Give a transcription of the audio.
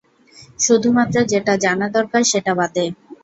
শুধুমাত্র যেটা জানা দরকার সেটা বাদে।